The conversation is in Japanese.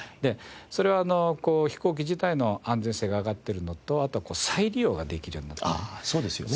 それは飛行機自体の安全性が上がっているのとあとは再利用ができるようになってね